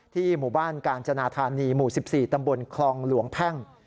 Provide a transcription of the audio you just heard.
หมู่บ้านกาญจนาธานีหมู่๑๔ตำบลคลองหลวงแพ่ง